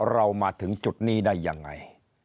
เรามาถึงจุดนี้ได้ยังไง